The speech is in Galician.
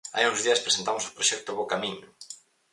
Hai uns días presentamos o proxecto "Bo Camiño!".